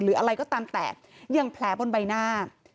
หรืออะไรก็ตามแต่อย่างแผลบนใบหน้า